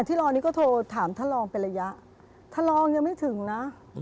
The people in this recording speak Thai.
ที่รอนี้ก็โทรถามท่านรองเป็นระยะท่านรองยังไม่ถึงนะ